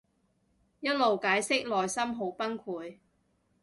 一路解釋內心好崩潰